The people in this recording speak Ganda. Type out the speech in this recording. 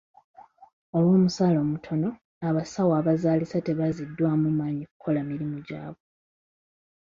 Olw'omusaala omutono, abasawo abazaalisa tebaziddwamu maanyi kukola mulimu gwabwe.